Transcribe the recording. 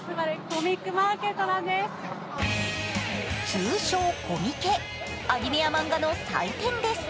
通称・コミケ、アニメやマンガの祭典です。